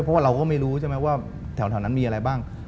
เพราะว่าเราก็ไม่รู้ใช่ไหมว่าแถวนั้นมีอะไรบ้าง